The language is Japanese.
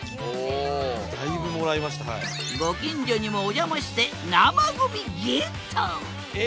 ご近所にもお邪魔して生ゴミゲット！え！